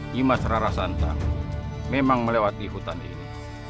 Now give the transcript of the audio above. nimas rarasantang memang melewati hutan ini